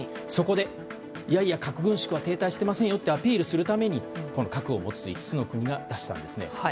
そこで、いやいや核軍縮は停滞していませんよとアピールするために核を持つ５つの国が出したんですね。